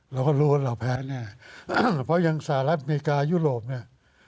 เราก็รู้ว่าเราแพ้แน่เพราะยังสหรัฐอเมริกายุโรปเนี่ย